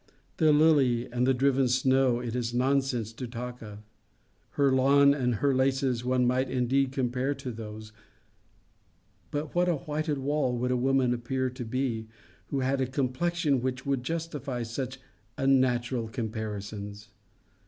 The lily and the driven snow it is nonsense to talk of: her lawn and her laces one might indeed compare to those; but what a whited wall would a woman appear to be, who had a complexion which would justify such unnatural comparisons?